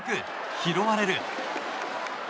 拾われる。